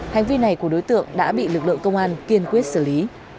hành vi này của đối tượng đã bị lực lượng công an kiên quyết xử lý